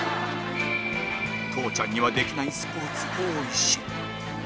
父ちゃんにはできないスポーツ多いし